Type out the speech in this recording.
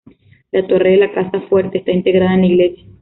La torre de la casa fuerte está integrada en la Iglesia.